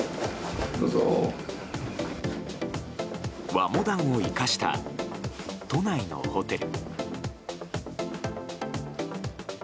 和モダンを生かした都内のホテル。